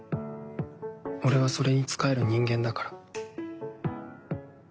俺はそれに仕える人間だから。